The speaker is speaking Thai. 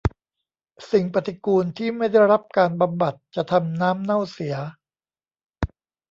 สิ่งปฏิกูลที่ไม่ได้รับการบำบัดจะทำน้ำเน่าเสีย